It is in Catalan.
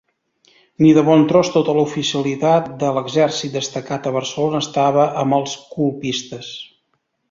Ni de bon tros tota l'oficialitat de l'exèrcit destacat a Barcelona estava amb els colpistes.